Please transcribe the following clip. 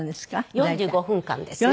４５分間ですね。